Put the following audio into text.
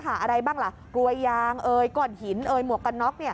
อะไรบ้างล่ะกลวยยางเอ่ยก้อนหินหมวกกันน็อก